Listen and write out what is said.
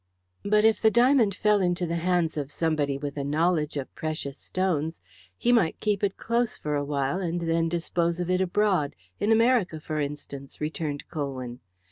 "But if the diamond fell into the hands of somebody with a knowledge of precious stones he might keep it close for a while and then dispose of it abroad in America, for instance," returned Colwyn.